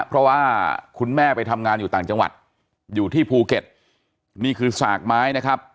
เพราะว่าคุณแม่ไปทำงานอยู่ต่างจังหวัดอยู่ที่ภูเก็ตนี่คือสากไม้นะครับ